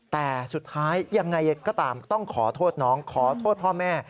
แต่สุดท้ายยังไงก็ตามต้องขอโทษน้องขอโทษพ่อแม่